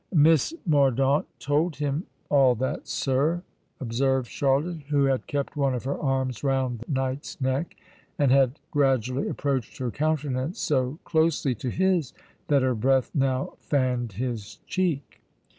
"Miss Mordaunt told him all that, sir," observed Charlotte, who had kept one of her arms round the knight's neck, and had gradually approached her countenance so closely to his that her breath now fanned his cheek.